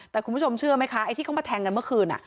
แต่คุณผู้ชมเชื่อไหมคะไอ้ที่เขามาแทงกันเมื่อคืน